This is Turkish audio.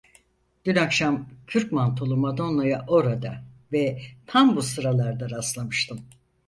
Dün akşam Kürk Mantolu Madonna'ya orada ve tam bu sıralarda rastlamıştım.